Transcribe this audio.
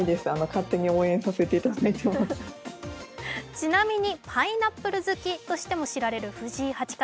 ちなみにパイナップル好きとしても知られる藤井八冠。